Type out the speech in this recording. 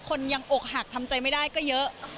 ยังอกหักทำใจไม่ได้ก็เยอะ